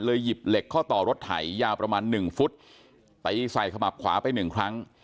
หยิบเหล็กข้อต่อรถไถยาวประมาณหนึ่งฟุตตีใส่ขมับขวาไปหนึ่งครั้ง